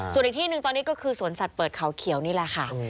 ส่วนอีกที่หนึ่งตอนนี้ก็คือสวนสัตว์เปิดเขาเขียวนี่แหละค่ะ